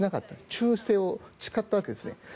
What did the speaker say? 忠誠を誓ったわけです。